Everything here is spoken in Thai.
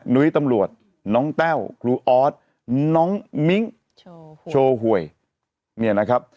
นุ้ยตำรวจน้องแต้วครูออสน้องมิ้งโชว์หวยเนี่ยนะครับ